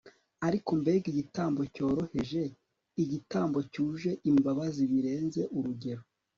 ariko mbega igitambo cyoroheje, igitambo cyuje imbabazi birenze urugero